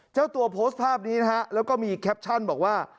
เจ้าตัวโพสต์ภาพนี้นะฮะแล้วก็มีแคปชั่นบอกว่า